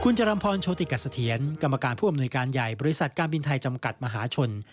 จรัมพรโชติกัสเถียรกรรมการผู้อำนวยการใหญ่บริษัทการบินไทยจำกัดมหาชน